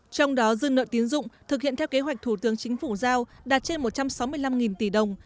trong đó dư nợ tiến dụng thực hiện theo kế hoạch thủ tướng chính phủ giao đạt trên một trăm sáu mươi năm tỷ đồng